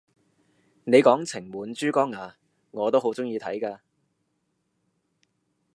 你講情滿珠江咓，我都好鍾意睇㗎！